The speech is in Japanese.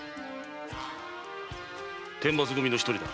天罰組の一人だ。